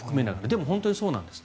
でも、本当にそうなんです。